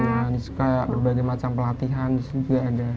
ya ilmunya suka berbagai macam pelatihan juga ada